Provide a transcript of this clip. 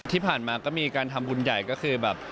ที่ผ่านมาก็มีการทำบุญใหญ่ก็คือแบบ